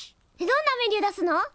どんなメニュー出すの？